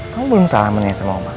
kamu belum salaman ya sama oma